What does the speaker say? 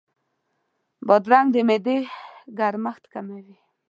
بادرنګ د معدې ګرمښت کموي.